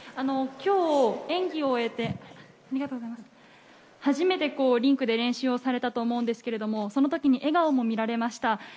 きょう、演技を終えて、初めてリンクで練習をされたと思うんですけれども、そのときに笑顔も見られました。